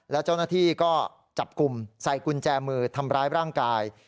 แล้วเจ้าหน้าที่ก็จับกลุ่มใส่กุญแจมือทำร้ายร่างกาย